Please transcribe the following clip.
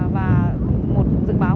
và một dự báo hột mùa sẽ mất trắng